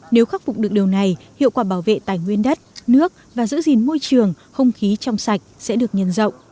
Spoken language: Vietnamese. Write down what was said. nếu khắc phục được điều này hiệu quả bảo vệ tài nguyên đất nước và giữ gìn môi trường không khí trong sạch sẽ được nhân rộng